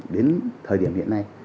đến thời điểm hiện nay